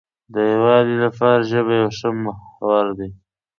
د یووالي لپاره ژبه یو ښه محور دی.